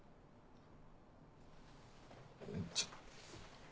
ちょっ。